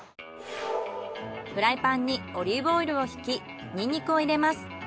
フライパンにオリーブオイルを引きニンニクを入れます。